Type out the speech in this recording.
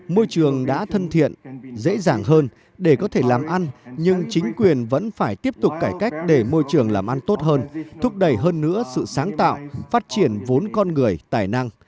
môi trường đã thân thiện dễ dàng hơn để có thể làm ăn nhưng chính quyền vẫn phải tiếp tục cải cách để môi trường làm ăn tốt hơn thúc đẩy hơn nữa sự sáng tạo phát triển vốn con người tài năng